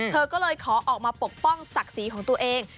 เธอก็เลยขอออกมาปกป้องศักดิ์ศรีของตัวเอง